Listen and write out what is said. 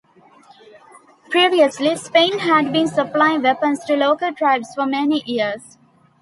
Previously, Spain had been supplying weapons to local tribes for many years.